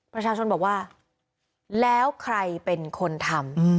ประชาชนบอกว่าแล้วใครเป็นคนทำ